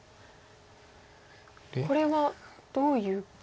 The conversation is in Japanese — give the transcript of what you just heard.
これはどういう？